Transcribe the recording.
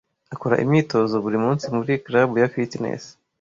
Akora imyitozo buri munsi muri club ya fitness.